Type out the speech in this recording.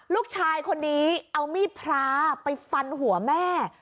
ลูกชายคนนี้เอามีดพระไปฟันหัวแม่